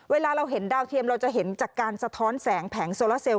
เวลาเราเห็นดาวเทียมเราจะเห็นจากการสะท้อนแสงแผงโซลาเซลล